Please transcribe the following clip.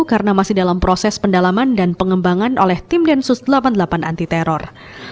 karena masih dalam proses pendalaman dan pengembangan oleh tim densus delapan puluh delapan anti teror